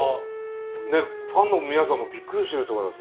ねファンの皆さんもびっくりしてると思います